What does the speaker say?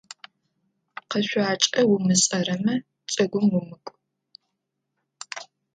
Къэшъуакӏэ умышӏэрэмэ, джэгум умыкӏу.